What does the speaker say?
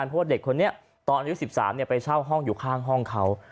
เพราะว่าเด็กคนนี้ตอนอายุ๑๓ไปเช่าห้องอยู่ข้างห้องเขา